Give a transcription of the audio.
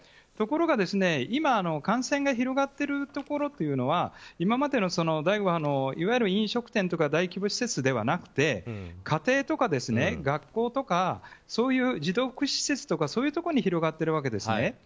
ところが今、感染が広がっているところというのは今までの第５波のいわゆる飲食店とか大規模施設ではなく家庭とか、学校とか児童福祉施設とかそういうところに広がっているわけですね。